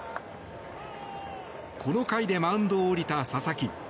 この回でマウンドを降りた佐々木。